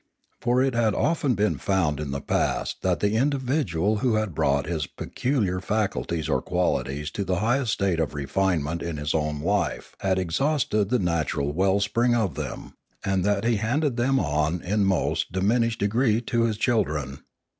For it had often been found in the past that the individual who had brought his peculiar faculties or qualities to the highest state of refinement in his own life had exhausted the natural wellspring of them, and that he handed them on in most dimin ished degree to his children.